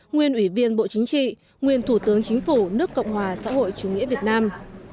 nguyên ủy viên bộ chính trị nguyên thủ tướng chính phủ nước cộng hòa xã hội chủ nghĩa việt nam